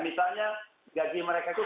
misalnya gaji mereka itu